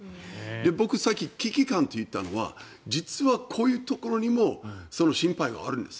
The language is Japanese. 僕、さっき危機感といったのは実はこういうところにも心配があるんです。